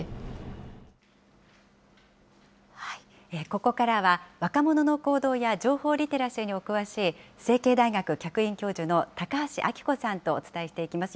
ここからは、若者の行動や情報リテラシーにお詳しい、成蹊大学客員教授の高橋暁子さんとお伝えしていきます。